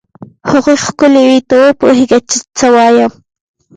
هغوی ښکلې وې؟ ته وپوهېږه چې څه وایم.